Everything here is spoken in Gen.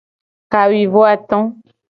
Kawuivoato.